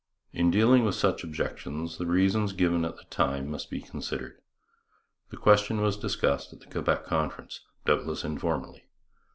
In dealing with such objections the reasons given at the time must be considered. The question was discussed at the Quebec Conference, doubtless informally.